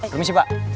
belum sih pak